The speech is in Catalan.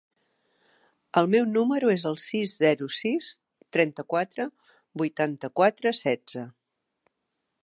El meu número es el sis, zero, sis, trenta-quatre, vuitanta-quatre, setze.